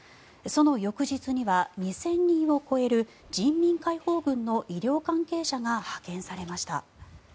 その翌日には２０００人を超える人民解放軍の医療関係者が派遣されました。